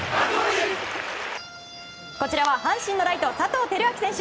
こちらは阪神のライト佐藤輝明選手。